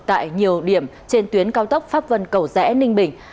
tại nhiều điểm trên tuyến cao tốc pháp vân cầu rẽ ninh bình